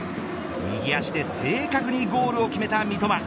右足で正確にゴールを決めた三笘。